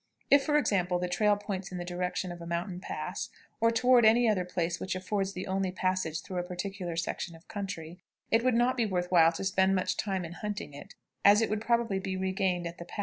If, for example, the trail points in the direction of a mountain pass, or toward any other place which affords the only passage through a particular section of country, it would not be worth while to spend much time in hunting it, as it would probably be regained at the pass.